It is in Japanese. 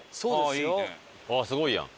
すごいやん。